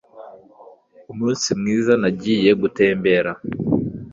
Umunsi mwiza, nagiye gutembera.